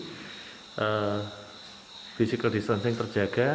jadi physical distancing terjaga